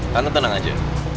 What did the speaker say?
tante tenang aja